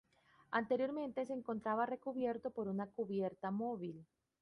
Anteriormente se encontraba recubierto por una cubierta móvil.